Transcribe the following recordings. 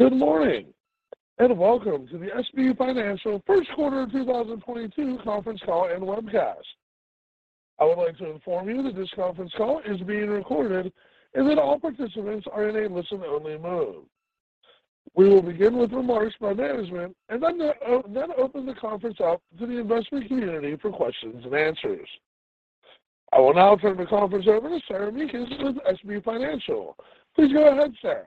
Good morning, and welcome to the SB Financial Q1 2022 conference call and webcast. I would like to inform you that this conference call is being recorded and that all participants are in a listen only mode. We will begin with remarks by management and then open the conference up to the investment community for questions and answers. I will now turn the conference over to Sarah Mekus with SB Financial. Please go ahead, Sarah.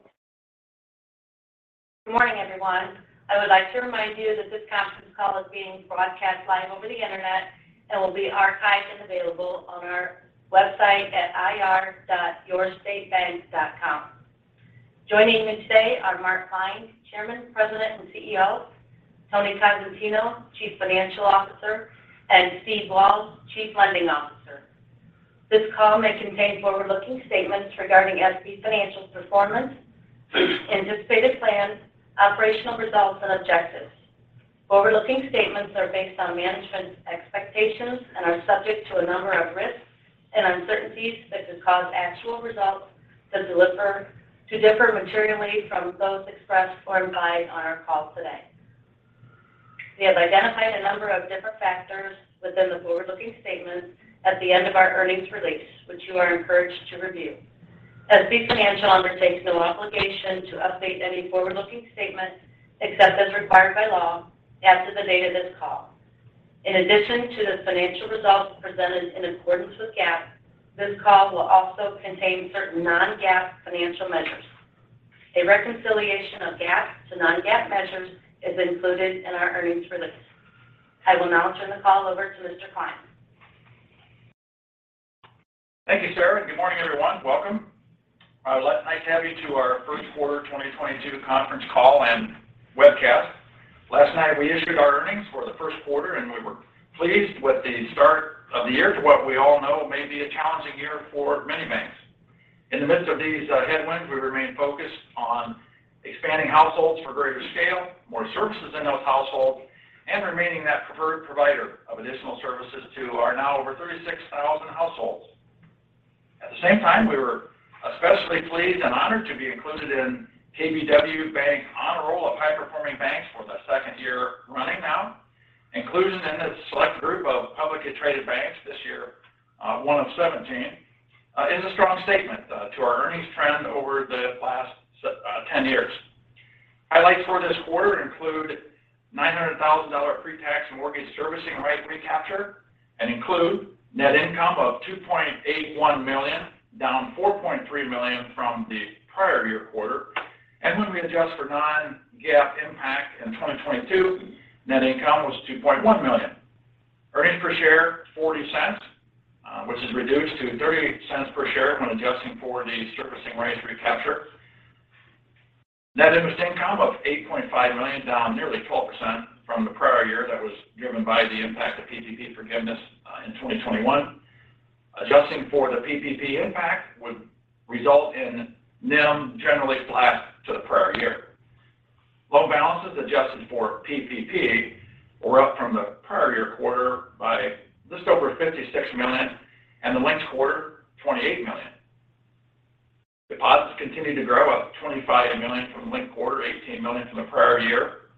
Good morning, everyone. I would like to remind you that this conference call is being broadcast live over the internet and will be archived and available on our website at ir.yourstatebank.com. Joining me today are Mark Klein, Chairman, President, and CEO, Tony Cosentino, Chief Financial Officer, and Steve Walz, Chief Lending Officer. This call may contain forward-looking statements regarding SB Financial's performance, anticipated plans, operational results, and objectives. Forward-looking statements are based on management's expectations and are subject to a number of risks and uncertainties that could cause actual results to differ materially from those expressed or implied on our call today. We have identified a number of different factors within the forward-looking statements at the end of our earnings release, which you are encouraged to review. SB Financial undertakes no obligation to update any forward-looking statements, except as required by law, after the date of this call. In addition to the financial results presented in accordance with GAAP, this call will also contain certain non-GAAP financial measures. A reconciliation of GAAP to non-GAAP measures is included in our earnings release. I will now turn the call over to Mr. Klein. Thank you, Sarah. Good morning, everyone. Welcome. Nice to have you to our Q1 2022 conference call and webcast. Last night, we issued our earnings for the Q1, and we were pleased with the start of the year to what we all know may be a challenging year for many banks. In the midst of these headwinds, we remain focused on expanding households for greater scale, more services in those households, and remaining that preferred provider of additional services to our now over 36,000 households. At the same time, we were especially pleased and honored to be included in KBW Bank Honor Roll of high-performing banks for the second year running now. Inclusion in this select group of publicly traded banks this year, one of 17, is a strong statement to our earnings trend over the last 10 years. Highlights for this quarter include $900,000 pre-tax mortgage servicing right recapture and include net income of $2.81 million, down $4.3 million from the prior year quarter. When we adjust for non-GAAP impact in 2022, net income was $2.1 million. Earnings per share $0.40, which is reduced to $0.38 per share when adjusting for the servicing rights recapture. Net interest income of $8.5 million, down nearly 12% from the prior year. That was driven by the impact of PPP forgiveness in 2021. Adjusting for the PPP impact would result in NIM generally flat to the prior year. Loan balances adjusted for PPP were up from the prior year quarter by just over $56 million, and the linked quarter, $28 million. Deposits continued to grow $25 million from the linked quarter, $18 million from the prior year.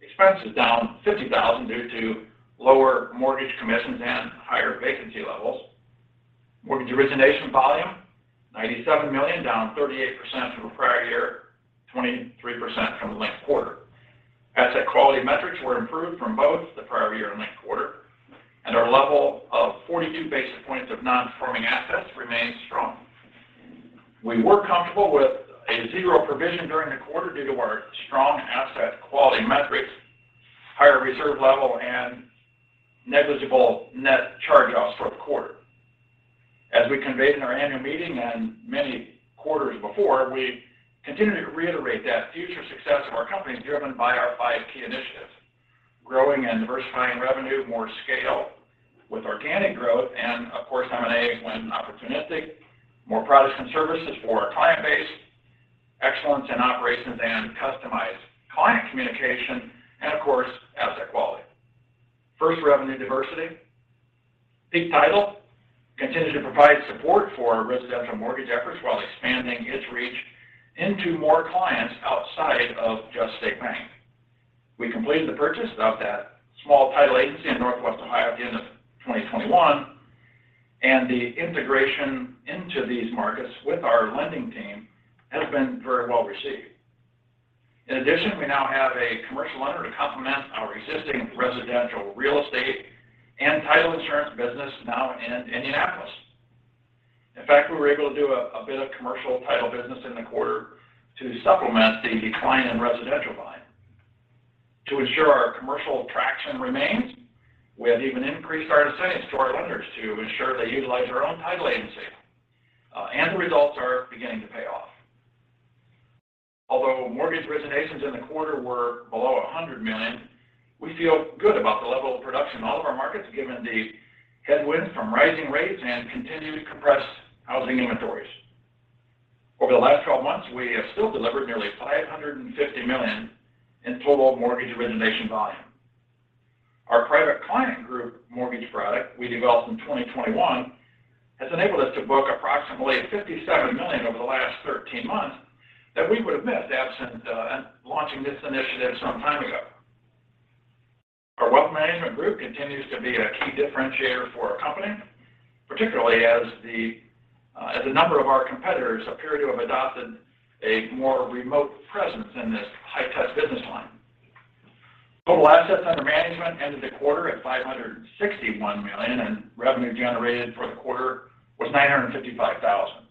Expenses down $50,000 due to lower mortgage commissions and higher vacancy levels. Mortgage origination volume $97 million, down 38% from the prior year, 23% from linked quarter. Asset quality metrics were improved from both the prior year and linked quarter, and our level of 42 basis points of non-performing assets remains strong. We were comfortable with a $0 provision during the quarter due to our strong asset quality metrics, higher reserve level, and negligible net charge-offs for the quarter. As we conveyed in our annual meeting and many quarters before, we continue to reiterate that future success of our company is driven by our five key initiatives. Growing and diversifying revenue, more scale with organic growth, and of course, M&A when opportunistic, more products and services for our client base, excellence in operations and customized client communication, and of course, asset quality. First, revenue diversity. Peak Title continued to provide support for our residential mortgage efforts while expanding its reach into more clients outside of just State Bank. We completed the purchase of that small title agency in Northwest Ohio at the end of 2021, and the integration into these markets with our lending team has been very well received. In addition, we now have a commercial lender to complement our existing residential real estate and title insurance business now in Indianapolis. In fact, we were able to do a bit of commercial title business in the quarter to supplement the decline in residential volume. To ensure our commercial traction remains, we have even increased our incentives to our lenders to ensure they utilize our own title agency, and the results are beginning to pay off. Although mortgage originations in the quarter were below $100 million, we feel good about the level of production in all of our markets, given the headwinds from rising rates and continued compressed housing inventories. Over the last 12 months, we have still delivered nearly $550 million in total mortgage origination volume. Our private client group mortgage product we developed in 2021 has enabled us to book approximately $57 million over the last 13 months that we would have missed absent launching this initiative some time ago. Our wealth management group continues to be a key differentiator for our company, particularly as a number of our competitors appear to have adopted a more remote presence in this high touch business line. Total assets under management ended the quarter at $561 million, and revenue generated for the quarter was $955 thousand.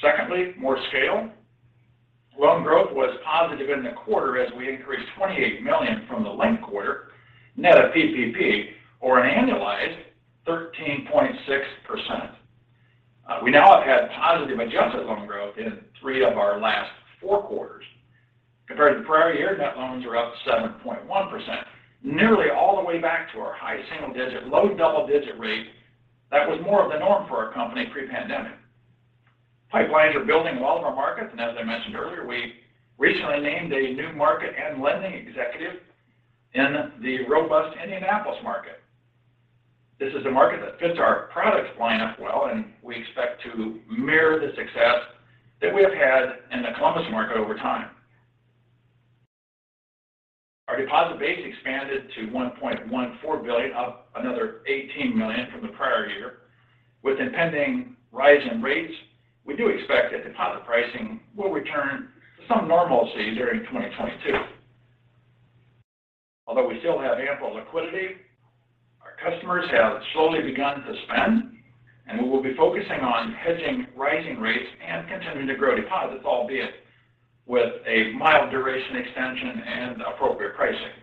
Secondly, more scale. Loan growth was positive in the quarter as we increased $28 million from the linked quarter, net of PPP or an annualized 13.6%. We now have had positive adjusted loan growth in 3 of our last 4 quarters. Compared to the prior year, net loans are up 7.1%, nearly all the way back to our high single digit, low double-digit rate that was more of the norm for our company pre-pandemic. Pipelines are building well in our markets, and as I mentioned earlier, we recently named a new market and lending executive in the robust Indianapolis market. This is a market that fits our product lineup well, and we expect to mirror the success that we have had in the Columbus market over time. Our deposit base expanded to $1.14 billion, up another $18 million from the prior year. With impending rise in rates, we do expect that deposit pricing will return to some normalcy during 2022. Although we still have ample liquidity, our customers have slowly begun to spend, and we will be focusing on hedging rising rates and continuing to grow deposits, albeit with a mild duration extension and appropriate pricing.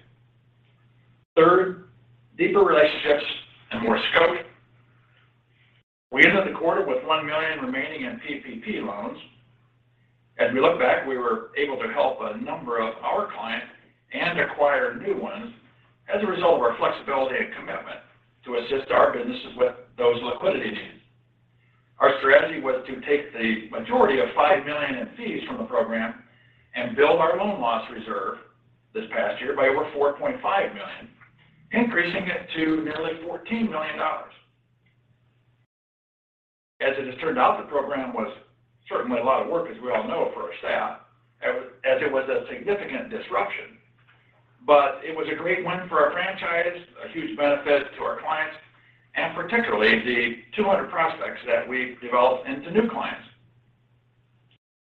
Third, deeper relationships and more scope. We ended the quarter with $1 million remaining in PPP loans. As we look back, we were able to help a number of our clients and acquire new ones as a result of our flexibility and commitment to assist our businesses with those liquidity needs. Our strategy was to take the majority of $5 million in fees from the program and build our loan loss reserve this past year by over $4.5 million, increasing it to nearly $14 million. As it has turned out, the program was certainly a lot of work, as we all know, for our staff, as it was a significant disruption. It was a great win for our franchise, a huge benefit to our clients, and particularly the 200 prospects that we've developed into new clients.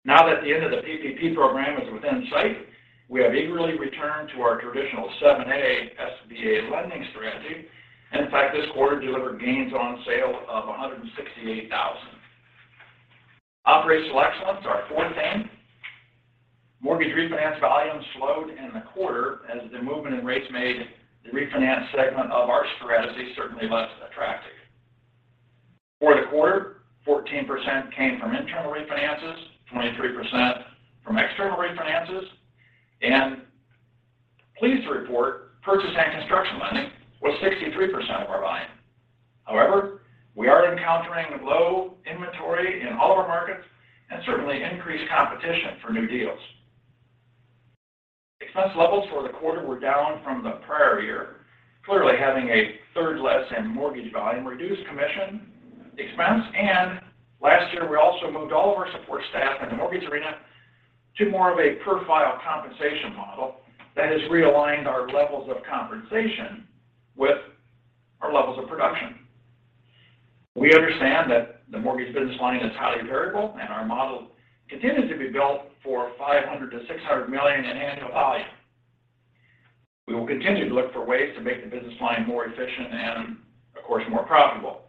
Now that the end of the PPP program is within sight, we have eagerly returned to our traditional 7(a) SBA lending strategy. In fact, this quarter delivered gains on sale of $168,000. Operational excellence, our fourth aim. Mortgage refinance volumes slowed in the quarter as the movement in rates made the refinance segment of our strategy certainly less attractive. For the quarter, 14% came from internal refinances, 23% from external refinances, and pleased to report purchase and construction lending was 63% of our volume. However, we are encountering low inventory in all of our markets and certainly increased competition for new deals. Expense levels for the quarter were down from the prior year. Clearly, having a third less in mortgage volume reduced commission expense, and last year we also moved all of our support staff in the mortgage arena to more of a per-file compensation model that has realigned our levels of compensation with our levels of production. We understand that the mortgage business line is highly variable, and our model continues to be built for $500 million-$600 million in annual volume. We will continue to look for ways to make the business line more efficient and, of course, more profitable.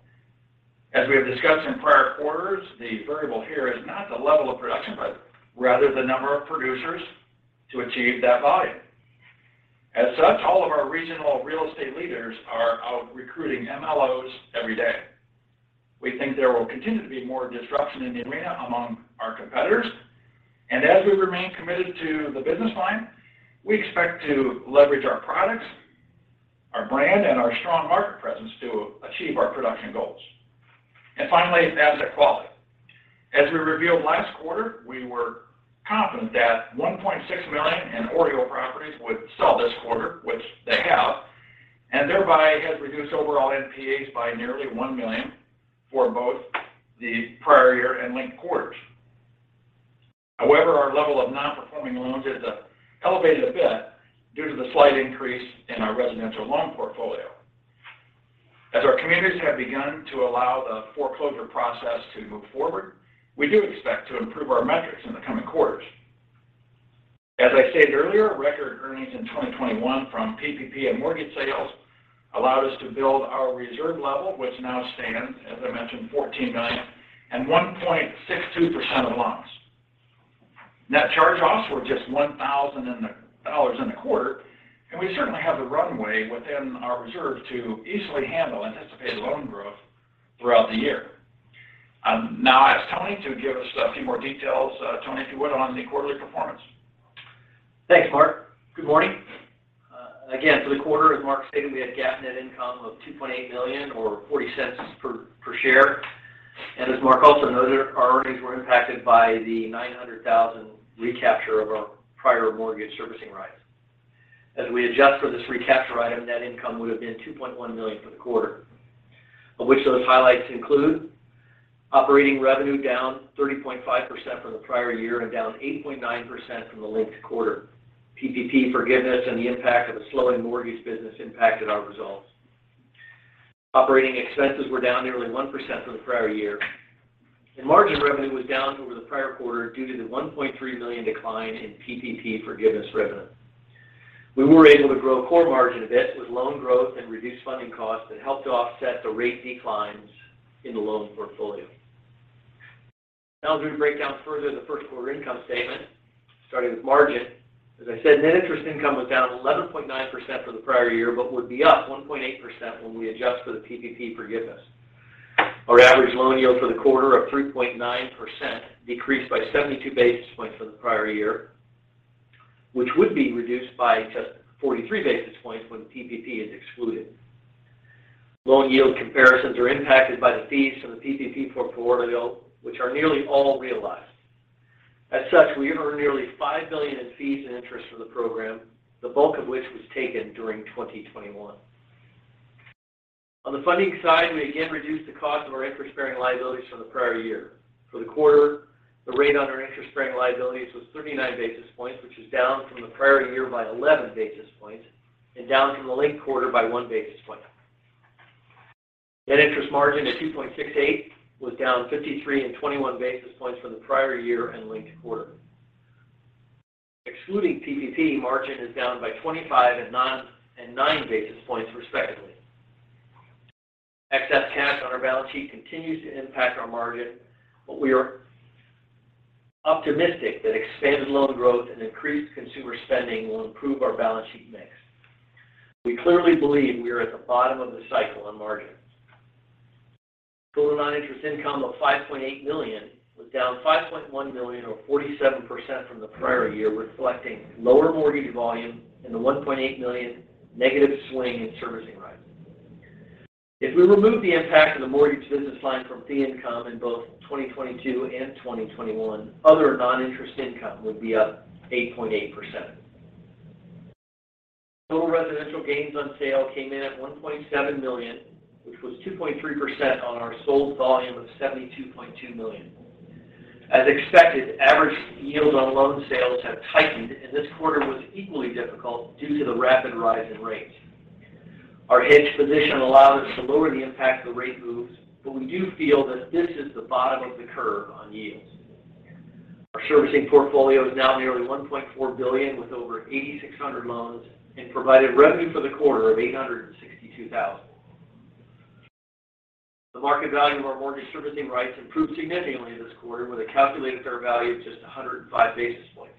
As we have discussed in prior quarters, the variable here is not the level of production, but rather the number of producers to achieve that volume. As such, all of our regional real estate leaders are out recruiting MLOs every day. We think there will continue to be more disruption in the arena among our competitors, and as we remain committed to the business line, we expect to leverage our products, our brand, and our strong market presence to achieve our production goals. Finally, asset quality. As we revealed last quarter, we were confident that $1.6 million in OREO properties would sell this quarter, which they have, and thereby has reduced overall NPAs by nearly $1 million for both the prior year and linked quarters. However, our level of non-performing loans has elevated a bit due to the slight increase in our residential loan portfolio. As our communities have begun to allow the foreclosure process to move forward, we do expect to improve our metrics in the coming quarters. As I stated earlier, record earnings in 2021 from PPP and mortgage sales allowed us to build our reserve level, which now stands, as I mentioned, $14 million and 1.62% of loans. Net charge-offs were just $1,000 in the quarter, and we certainly have the runway within our reserve to easily handle anticipated loan growth throughout the year. Now I ask Tony to give us a few more details, Tony, if you would, on the quarterly performance. Thanks, Mark. Good morning. Again, for the quarter, as Mark stated, we had GAAP net income of $2.8 million or $0.40 per share. As Mark also noted, our earnings were impacted by the $900,000 recapture of our prior mortgage servicing rights. As we adjust for this recapture item, net income would have been $2.1 million for the quarter. Of which those highlights include operating revenue down 30.5% from the prior year and down 8.9% from the linked quarter. PPP forgiveness and the impact of a slowing mortgage business impacted our results. Operating expenses were down nearly 1% from the prior year. Margin revenue was down over the prior quarter due to the $1.3 million decline in PPP forgiveness revenue. We were able to grow core margin a bit with loan growth and reduced funding costs that helped to offset the rate declines in the loan portfolio. Now as we break down further the Q1 income statement, starting with margin. As I said, net interest income was down 11.9% for the prior year, but would be up 1.8% when we adjust for the PPP forgiveness. Our average loan yield for the quarter of 3.9% decreased by 72 basis points for the prior year, which would be reduced by just 43 basis points when PPP is excluded. Loan yield comparisons are impacted by the fees from the PPP portfolio, which are nearly all realized. As such, we earned nearly $5 million in fees and interest from the program, the bulk of which was taken during 2021. On the funding side, we again reduced the cost of our interest-bearing liabilities from the prior year. For the quarter, the rate on our interest-bearing liabilities was 39 basis points, which is down from the prior year by 11 basis points and down from the linked quarter by 1 basis point. Net interest margin at 2.68% was down 53 and 21 basis points for the prior year and linked quarter. Excluding PPP, margin is down by 25 and 9 basis points respectively. Excess cash on our balance sheet continues to impact our margin, but we are optimistic that expanded loan growth and increased consumer spending will improve our balance sheet mix. We clearly believe we are at the bottom of the cycle on margins. Total non-interest income of $5.8 million was down $5.1 million or 47% from the prior year, reflecting lower mortgage volume and the $1.8 million negative swing in servicing rights. If we remove the impact of the mortgage business line from fee income in both 2022 and 2021, other non-interest income would be up 8.8%. Total residential gains on sale came in at $1.7 million, which was 2.3% on our sold volume of $72.2 million. As expected, average yield on loan sales have tightened, and this quarter was equally difficult due to the rapid rise in rates. Our hedge position allowed us to lower the impact of the rate moves, but we do feel that this is the bottom of the curve on yields. Our servicing portfolio is now nearly $1.4 billion with over 8,600 loans and provided revenue for the quarter of $862,000. The market value of our mortgage servicing rights improved significantly this quarter with a calculated fair value of just 105 basis points.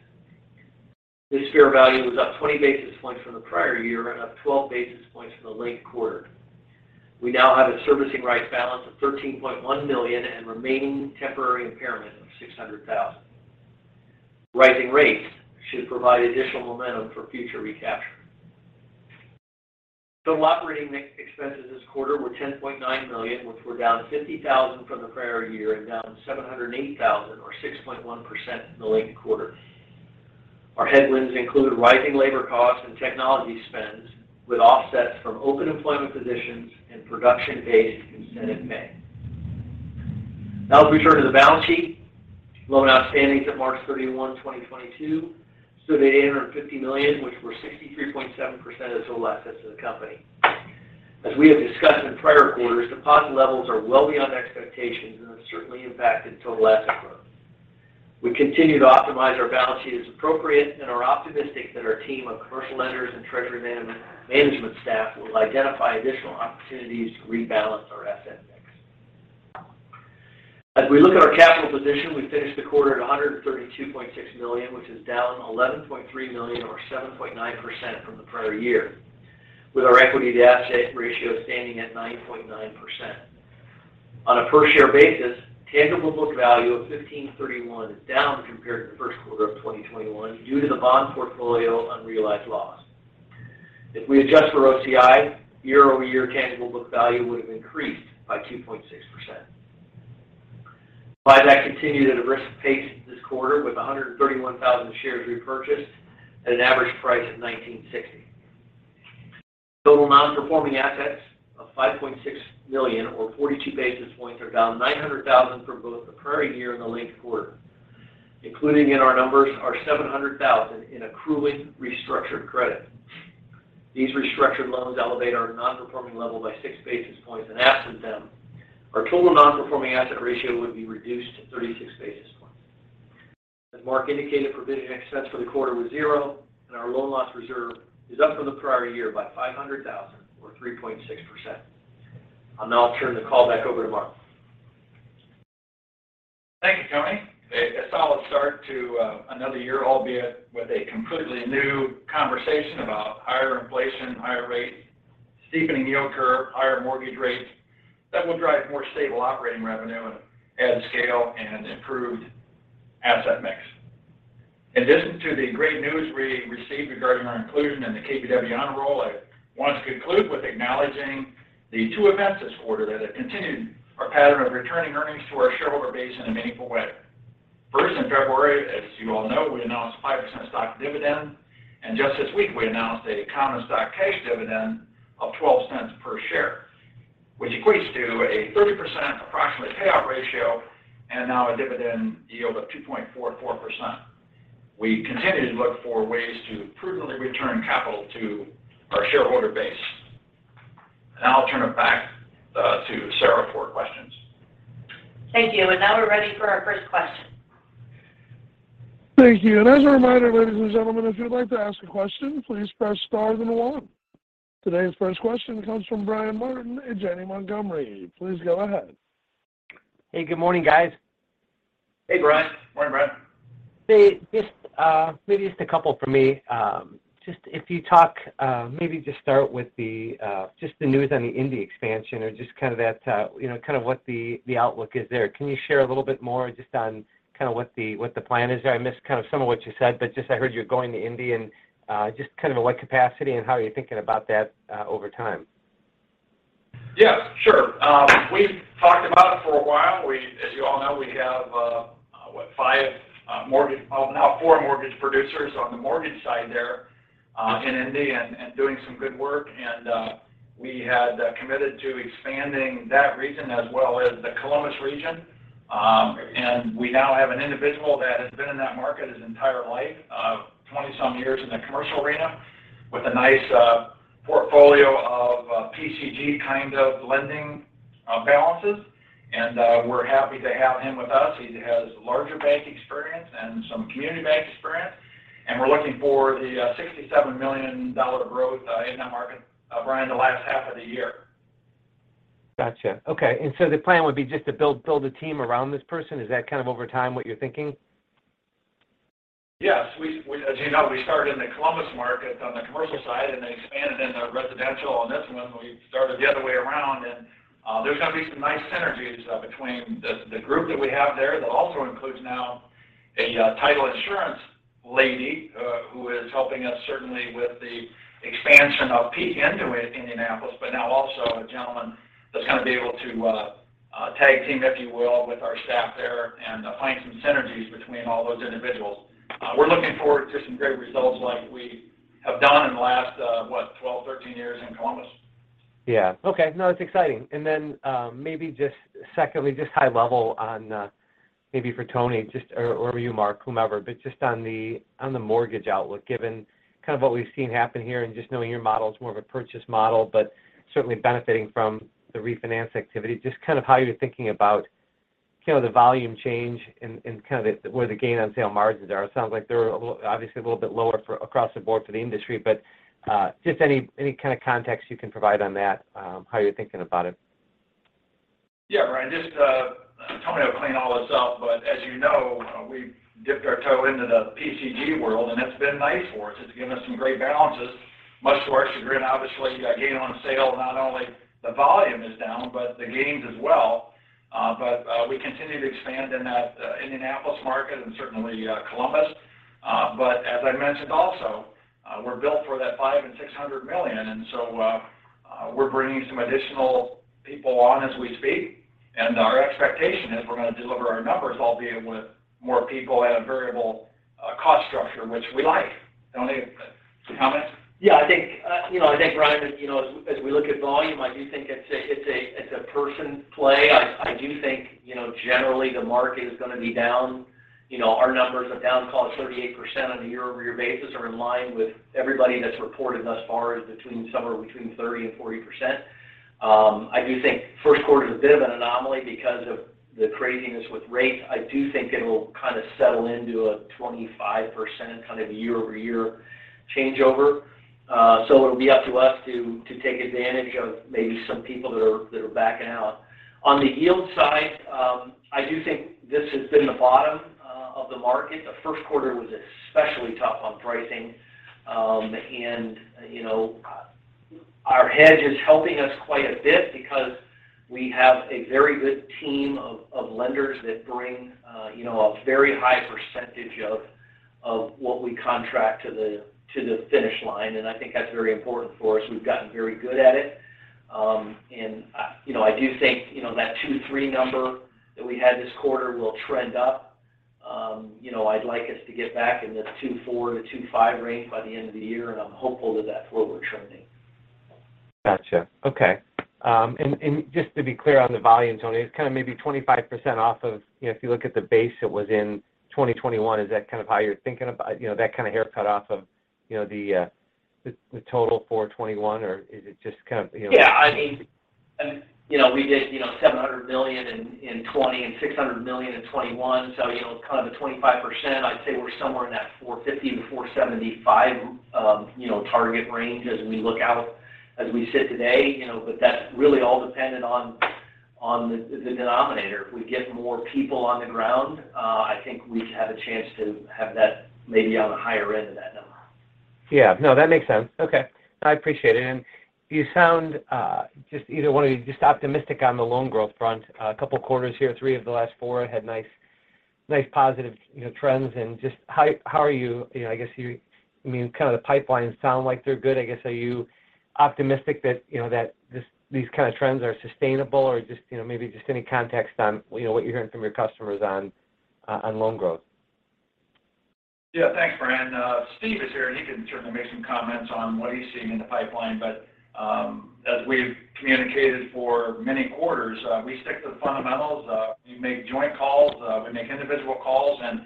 This fair value was up 20 basis points from the prior year and up 12 basis points from the linked quarter. We now have a servicing rights balance of $13.1 million and remaining temporary impairment of $600,000. Rising rates should provide additional momentum for future recapture. Total operating expenses this quarter were $10.9 million, which were down $50,000 from the prior year and down $708,000 or 6.1% in the linked quarter. Our headwinds include rising labor costs and technology spends with offsets from open employment positions and production-based compensation in May. Now as we turn to the balance sheet, loans outstanding at March 31, 2022 stood at $850 million, which were 63.7% of total assets of the company. As we have discussed in prior quarters, deposit levels are well beyond expectations and have certainly impacted total asset growth. We continue to optimize our balance sheet as appropriate and are optimistic that our team of commercial lenders and treasury management staff will identify additional opportunities to rebalance our asset mix. As we look at our capital position, we finished the quarter at $132.6 million, which is down $11.3 million or 7.9% from the prior year, with our equity to asset ratio standing at 9.9%. On a per share basis, tangible book value of $15.31 is down compared to the Q1 of 2021 due to the bond portfolio unrealized loss. If we adjust for OCI, year-over-year tangible book value would have increased by 2.6%. Buyback continued at a brisk pace this quarter with 131,000 shares repurchased at an average price of $19.60. Total non-performing assets of $5.6 million or 42 basis points are down $900,000 for both the prior year and the linked quarter. Included in our numbers are $700,000 in accruing restructured credit. These restructured loans elevate our non-performing level by 6 basis points, and absent them, our total non-performing asset ratio would be reduced to 36 basis points. As Mark indicated, provision expense for the quarter was $0, and our loan loss reserve is up from the prior year by $500,000 or 3.6%. I'll now turn the call back over to Mark. Thank you, Tony. A solid start to another year, albeit with a completely new conversation about higher inflation, higher rates, steepening yield curve, higher mortgage rates that will drive more stable operating revenue as scale and improved asset mix. In addition to the great news we received regarding our inclusion in the KBW Honor Roll, I want to conclude with acknowledging the two events this quarter that have continued our pattern of returning earnings to our shareholder base in a meaningful way. First, in February, as you all know, we announced a 5% stock dividend, and just this week, we announced a common stock cash dividend of $0.12 per share, which equates to a 30% approximate payout ratio and now a dividend yield of 2.44%. We continue to look for ways to prudently return capital to our shareholder base. Now I'll turn it back to Sarah for questions. Thank you. Now we're ready for our first question. Thank you. As a reminder, ladies and gentlemen, if you'd like to ask a question, please press star then one. Today's first question comes from Brian Martin at Janney Montgomery Scott. Please go ahead. Hey, good morning, guys. Hey, Brian. Morning, Brian. Hey, just maybe just a couple from me. Just if you talk, maybe just start with just the news on the Indy expansion or just kind of that, you know, kind of what the outlook is there. Can you share a little bit more just on kind of what the plan is there? I missed kind of some of what you said, but just I heard you're going to Indy and, just kind of in what capacity and how you're thinking about that, over time. Yeah, sure. We've talked about it for a while. We, as you all know, have what, 5, now 4 mortgage producers on the mortgage side there, in Indy and doing some good work. We had committed to expanding that region as well as the Columbus region. We now have an individual that has been in that market his entire life, 20-some years in the commercial arena with a nice portfolio of PCG kind of lending balances. We're happy to have him with us. He has larger bank experience and some community bank experience, and we're looking for the $67 million growth in that market, Brian, the last half of the year. Gotcha. Okay. The plan would be just to build a team around this person. Is that kind of over time what you're thinking? Yes. We—as you know, we started in the Columbus market on the commercial side and then expanded into residential. On this one, we started the other way around. There's going to be some nice synergies between the group that we have there. That also includes now a title insurance lady who is helping us certainly with the expansion of Peak into Indianapolis, but now also a gentleman that's going to be able to tag team, if you will, with our staff there and find some synergies between all those individuals. We're looking forward to some great results like we have done in the last 12, 13 years in Columbus. Yeah. Okay. No, it's exciting. Maybe just secondly, just high level on, maybe for Tony, or you Mark, whomever, but just on the mortgage outlook, given kind of what we've seen happen here and just knowing your model is more of a purchase model, but certainly benefiting from the refinance activity. Just kind of how you're thinking about kind of the volume change and kind of where the gain on sale margins are. It sounds like they're obviously a little bit lower across the board for the industry, but just any kind of context you can provide on that, how you're thinking about it? Yeah, Brian, just, Tony will clean all this up, but as you know, we dipped our toe into the PCG world, and it's been nice for us. It's given us some great balances, much to our chagrin. Obviously, gain on sale, not only the volume is down, but the gains as well. We continue to expand in that Indianapolis market and certainly Columbus. As I mentioned also, we're built for that $500 million-$600 million, and so, we're bringing some additional people on as we speak. Our expectation is we are going to deliver our numbers, albeit with more people at a variable cost structure, which we like. Tony, some comments? Yeah, I think you know, Brian, you know, as we look at volume, I do think it's a person play. I do think you know, generally the market is going to be down. You know, our numbers are down call it 38% on a year-over-year basis are in line with everybody that's reported thus far, as somewhere between 30% and 40%. I do think Q1 is a bit of an anomaly because of the craziness with rates. I do think it will kind of settle into a 25% kind of year-over-year changeover. So it'll be up to us to take advantage of maybe some people that are backing out. On the yield side, I do think this has been the bottom of the market. The Q1 was especially tough on pricing. You know, our hedge is helping us quite a bit because we have a very good team of lenders that bring you know, a very high percentage of what we contract to the finish line. I think that's very important for us. We've gotten very good at it. You know, I do think you know, that 2.3% number that we had this quarter will trend up. You know, I'd like us to get back in this 2.4%-2.5% range by the end of the year, and I'm hopeful that that's where we're trending. Gotcha. Okay. Just to be clear on the volume, Tony, it's kind of maybe 25% off of, you know, if you look at the base that was in 2021, is that kind of how you're thinking about, you know, that kind of haircut off of, you know, the total for 2021 or is it just kind of, you know? Yeah, I mean, you know, we did, you know, $700 million in 2020 and $600 million in 2021. So, you know, kind of a 25%. I'd say we are somewhere in that $450 million-$475 million target range as we look out, as we sit today, you know, but that's really all dependent on the denominator. If we get more people on the ground, I think we have a chance to have that maybe on the higher end of that number. Yeah. No, that makes sense. Okay. I appreciate it. You sound just either one of you just optimistic on the loan growth front. A couple quarters here, three of the last four had nice positive, you know, trends. How are you? You know, I mean, kind of the pipelines sound like they're good. I guess, are you optimistic that, you know, that these kind of trends are sustainable or just, you know, maybe just any context on, you know, what you're hearing from your customers on loan growth? Yeah. Thanks, Brian. Steve is here, and he can certainly make some comments on what he's seeing in the pipeline. As we've communicated for many quarters, we stick to the fundamentals. We make joint calls, we make individual calls, and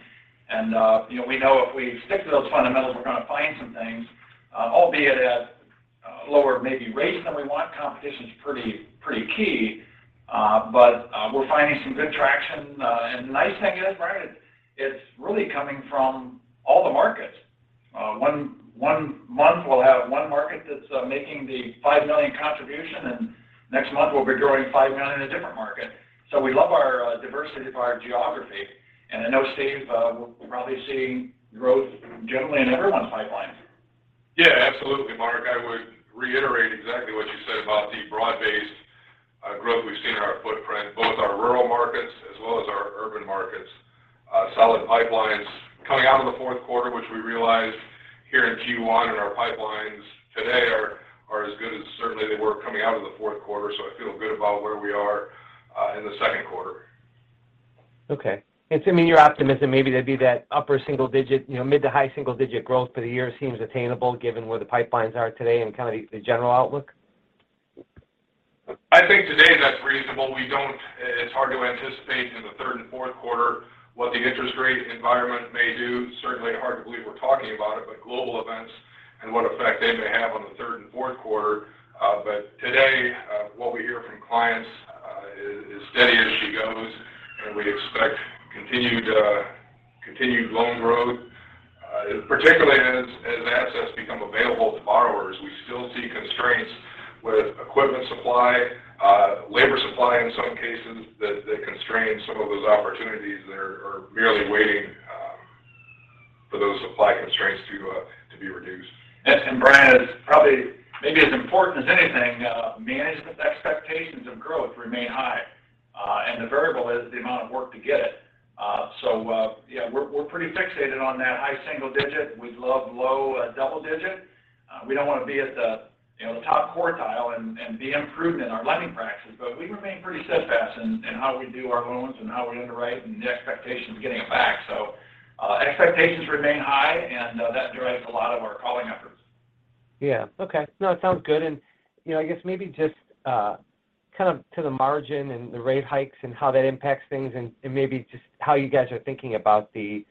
you know, we know if we stick to those fundamentals, we are gonna find some things, albeit at lower maybe rates than we want. Competition's pretty key. We are finding some good traction. The nice thing is, Brian, it's really coming from all the markets. One month we'll have one market that's making the $5 million contribution, and next month we'll be growing $5 million in a different market. We love our diversity of our geography. I know Steve, we're probably seeing growth generally in everyone's pipelines. Yeah, absolutely Mark. I would reiterate exactly what you said about the broad-based growth we've seen in our footprint, both our rural markets as well as our urban markets. Solid pipelines coming out of the Q4, which we realized here in Q1, and our pipelines today are as good as certainly they were coming out of the Q4. I feel good about where we are in the Q2. Okay. I mean, your optimism maybe there'd be that upper single digit, you know, mid to high single digit growth for the year seems attainable given where the pipelines are today and kind of the general outlook? I think today that's reasonable. It's hard to anticipate in the third and Q4 what the interest rate environment may do. Certainly hard to believe we're talking about it, but global events and what effect they may have on the third and Q4. Today, what we hear from clients is steady as she goes, and we expect continued loan growth. Particularly as assets become available to borrowers. We still see constraints with equipment supply, labor supply in some cases that constrain some of those opportunities that are merely waiting for those supply constraints to be reduced. Yes. Brian, probably maybe as important as anything, management expectations of growth remain high. The variable is the amount of work to get it. We are pretty fixated on that high single digit. We'd love low double digit. We don't want to be at the, you know, the top quartile and be improving our lending practices, but we remain pretty steadfast in how we do our loans and how we underwrite and the expectations of getting them back. Expectations remain high, and that drives a lot of our calling efforts. Yeah. Okay. No, it sounds good. You know, I guess maybe just kind of to the margin and the rate hikes and how that impacts things and maybe just how you guys are thinking about the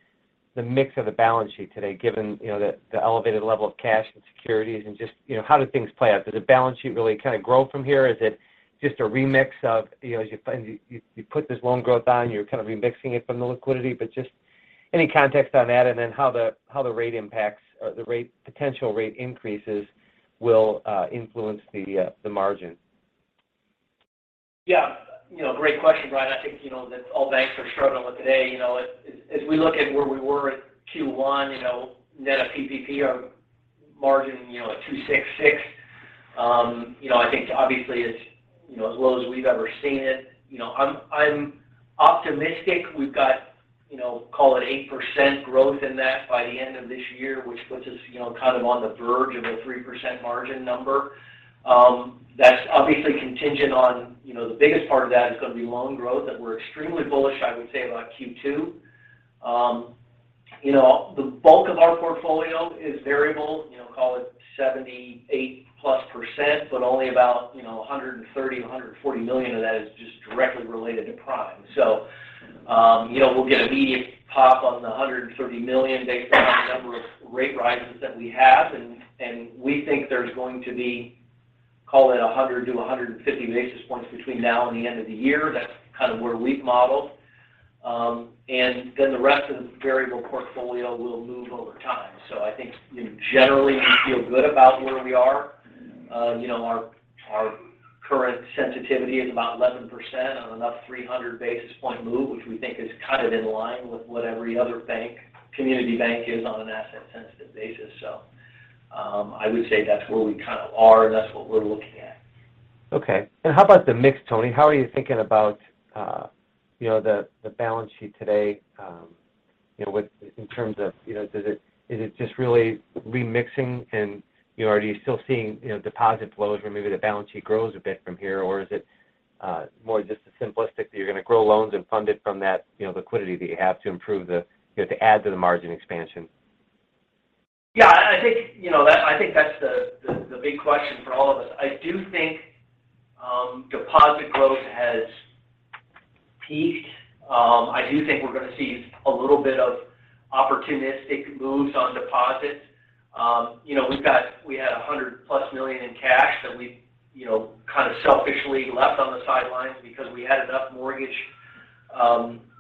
mix of the balance sheet today, given you know the elevated level of cash and securities and just you know how do things play out? Does the balance sheet really kind of grow from here? Is it just a remix of, you know, you put this loan growth on, you're kind of remixing it from the liquidity. But just any context on that, and then how the rate impacts or the potential rate increases will influence the margin. Yeah. You know, great question, Brian. I think, you know, that all banks are struggling with today. You know, as we look at where we were at Q1, you know, net of PPP, our margin, you know, at 2.66. You know, I think obviously it's, you know, as low as we've ever seen it. You know, I'm optimistic we've got, you know, call it 8% growth in that by the end of this year, which puts us, you know, kind of on the verge of a 3% margin number. That's obviously contingent on, you know, the biggest part of that is gonna be loan growth, and we're extremely bullish, I would say, about Q2. You know, the bulk of our portfolio is variable, you know, call it 78%+, but only about, you know, $130-$140 million of that is just directly related to prime. You know, we'll get immediate pop on the $130 million based on the number of rate rises that we have, and we think there's going to be, call it 100-150 basis points between now and the end of the year. That's kind of where we've modeled. The rest of the variable portfolio will move over time. I think, you know, generally we feel good about where we are. You know, our current sensitivity is about 11% on an up 300 basis point move, which we think is kind of in line with what every other bank, community bank is on an asset-sensitive basis. I would say that's where we kind of are, and that's what we're looking at. Okay. How about the mix, Tony? How are you thinking about, you know, the balance sheet today, you know, with in terms of, you know, is it just really remixing and are you still seeing, you know, deposit flows where maybe the balance sheet grows a bit from here? Or is it more just the simplistic that you're gonna grow loans and fund it from that, you know, liquidity that you have to improve the, you know, to add to the margin expansion? Yeah, I think you know that I think that's the big question for all of us. I do think deposit growth has peaked. I do think we are gonna see a little bit of opportunistic moves on deposits. You know, we had $100+ million in cash that we, you know, kind of selfishly left on the sidelines because we had enough mortgage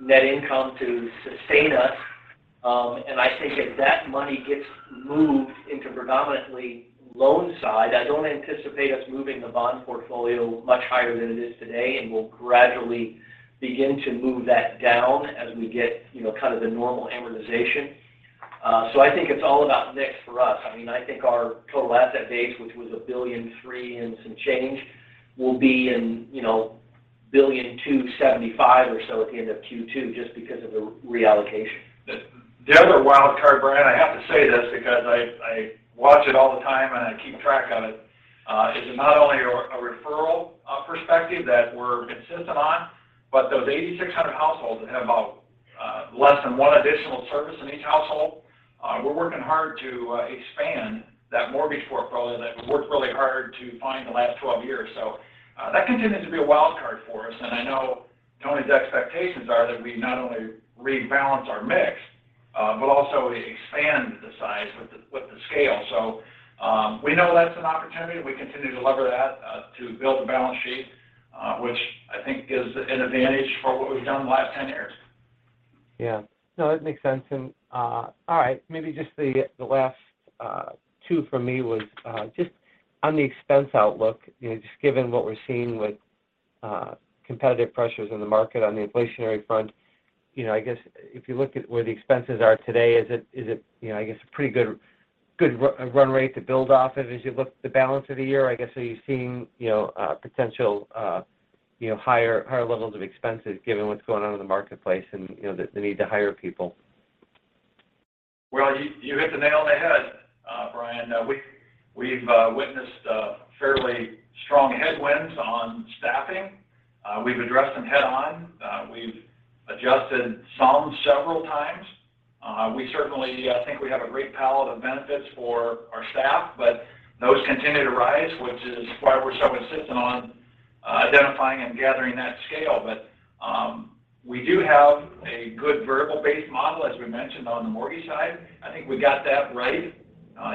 net income to sustain us. I think if that money gets moved into predominantly loan side, I don't anticipate us moving the bond portfolio much higher than it is today, and we'll gradually begin to move that down as we get, you know, kind of the normal amortization. I think it's all about mix for us. I mean, I think our total asset base, which was $1.3 billion and some change, will be in, you know, $1.275 billion or so at the end of Q2 just because of the reallocation. The other wild card, Brian, I have to say this because I watch it all the time, and I keep track of it, is not only a referral perspective that we're consistent on, but those 8,600 households that have averaging less than one additional service in each household. We're working hard to expand that mortgage portfolio that we worked really hard to build the last 12 years. That continues to be a wild card for us. I know Tony's expectations are that we not only rebalance our mix, but also expand the size with the scale. We know that's an opportunity. We continue to lever that to build the balance sheet, which I think is an advantage for what we've done the last 10 years. Yeah. No, that makes sense. All right. Maybe just the last two for me was just on the expense outlook, you know, just given what we're seeing with competitive pressures in the market on the inflationary front, you know, I guess if you look at where the expenses are today, is it you know, I guess a pretty good run rate to build off of as you look at the balance of the year? I guess, are you seeing you know, potential you know, higher levels of expenses given what's going on in the marketplace and you know, the need to hire people? Well, you hit the nail on the head, Brian. We've witnessed fairly strong headwinds on staffing. We have addressed them head on. We have adjusted some several times. We certainly, I think we have a great palette of benefits for our staff, but those continue to rise, which is why we are so insistent on identifying and gathering that scale. We do have a good variable-based model, as we mentioned, on the mortgage side. I think we got that right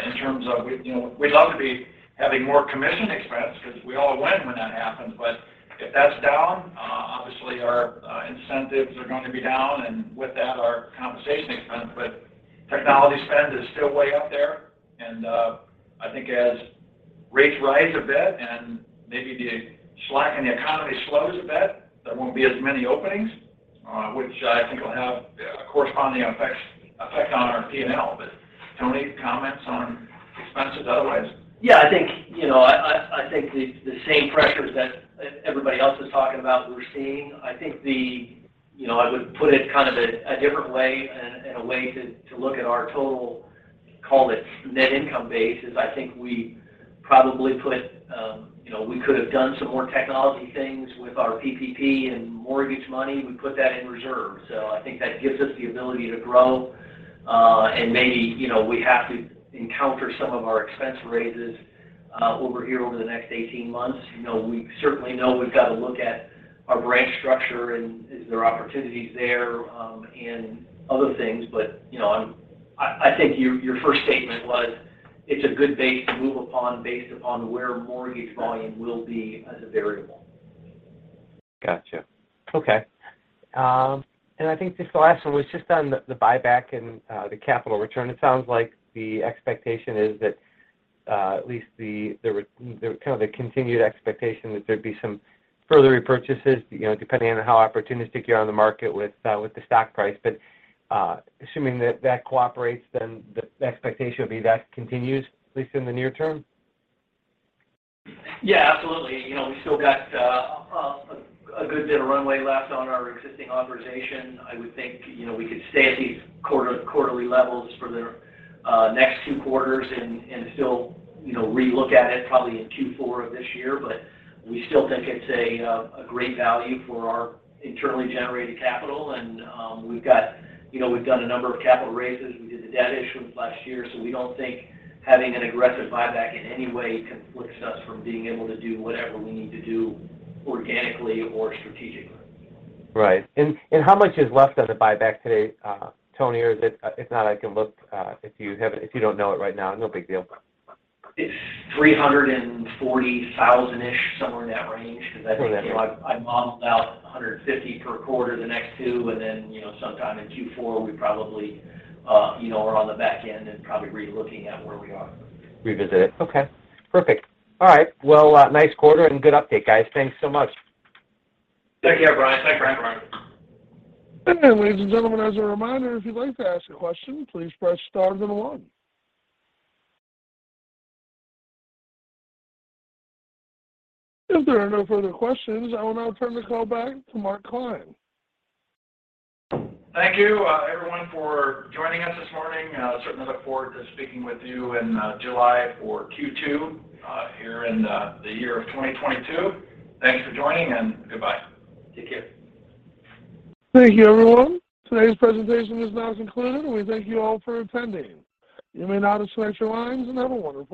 in terms of, you know, we'd love to be having more commission expense because we all win when that happens. If that's down, obviously our incentives are going to be down and with that, our compensation expense. Technology spend is still way up there. I think as rates rise a bit and maybe the slack in the economy slows a bit, there won't be as many openings, which I think will have a corresponding effect on our P&L. Tony, comments on expenses otherwise? Yeah, I think, you know, I think the same pressures that everybody else is talking about we're seeing. I think, you know, I would put it kind of a different way and a way to look at our total, call it net income base, is I think we probably put, you know, we could have done some more technology things with our PPP and mortgage money. We put that in reserve. I think that gives us the ability to grow and maybe, you know, we have to encounter some of our expense raises over the next 18 months. You know, we certainly know we've got to look at our branch structure and is there opportunities there and other things. You know, I think your first statement was, it's a good base to move upon based upon where mortgage volume will be as a variable. Gotcha. Okay. I think just the last one was just on the buyback and the capital return. It sounds like the expectation is that at least the kind of the continued expectation that there'd be some further repurchases, you know, depending on how opportunistic you are on the market with the stock price. Assuming that that cooperates, then the expectation would be that continues at least in the near term? Yeah, absolutely. You know, we still got a good bit of runway left on our existing authorization. I would think, you know, we could stay at these quarterly levels for the next two quarters and still, you know, relook at it probably in Q4 of this year. We still think it's a great value for our internally generated capital. We've got, you know, we have done a number of capital raises. We did the debt issuance last year, so we don't think having an aggressive buyback in any way conflicts us from being able to do whatever we need to do organically or strategically. Right. How much is left of the buyback today, Tony? If not, I can look, if you have it, if you don't know it right now, no big deal. It's $340 thousand-ish, somewhere in that range. Okay. 'Cause I think, you know, I modeled out 150 per quarter the next 2, and then, you know, sometime in Q4, we probably, you know, are on the back end and probably relooking at where we are. Revisit it. Okay. Perfect. All right. Well, nice quarter and good update, guys. Thanks so much. Take care, Brian. Thanks, Brian. Thanks, Brian. Ladies and gentlemen, as a reminder, if you'd like to ask a question, please press star then one. If there are no further questions, I will now turn the call back to Mark Klein. Thank you, everyone for joining us this morning. Certainly look forward to speaking with you in July for Q2 here in the year of 2022. Thanks for joining, and goodbye. Take care. Thank you, everyone. Today's presentation is now concluded, and we thank you all for attending. You may now disconnect your lines whenever you want.